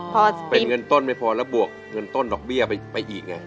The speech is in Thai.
พอเป็นเงินต้นไม่พอแล้วบวกเงินต้นดอกเบี้ยไปอีกไง